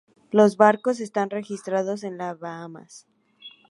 Los barcos están registrados en las Bahamas.